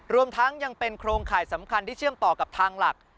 รวมทั้งยังเป็นโครงข่ายสำคัญที่เชื่อมต่อกับทางหลัก